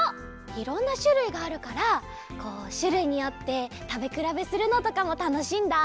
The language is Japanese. いろんなしゅるいがあるからこうしゅるいによってたべくらべするのとかもたのしいんだ。